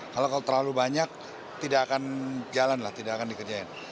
kalau terlalu banyak tidak akan jalan lah tidak akan dikerjain